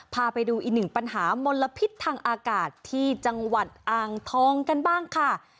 พาไปดูอีกหนึ่งปัญหามลพิษทางอากาศที่จังหวัดอ่างทองกันบ้างค่ะ